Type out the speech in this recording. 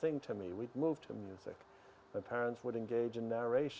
untuk menemukan tempat untuk menjalankan diagnosis